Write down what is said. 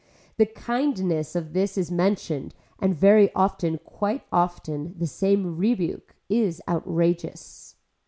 The kindness of this is mentioned and very often quite often the same rebuke is outrageous.